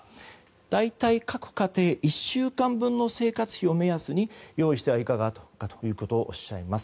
大体、各家庭１週間分の生活費を目安に用意してはいかがかとおっしゃいます。